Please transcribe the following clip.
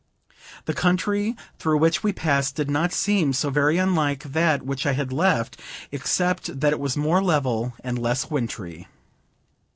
The country through which we passed did not seem so very unlike that which I had left, except that it was more level and less wintry.